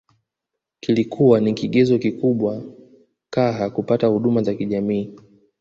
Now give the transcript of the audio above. Kilikua ni kigezo kikubwa caha kupata huduma za kijamii